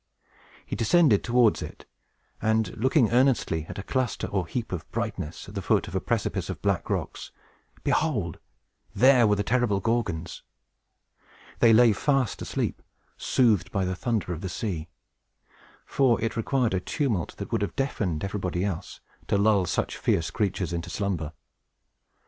He descended towards it, and, looking earnestly at a cluster or heap of brightness, at the foot of a precipice of black rocks, behold, there were the terrible Gorgons! They lay fast asleep, soothed by the thunder of the sea; for it required a tumult that would have deafened everybody else to lull such fierce creatures into slumber.